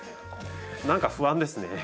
何か不安ですね。